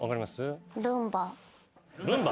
ルンバ？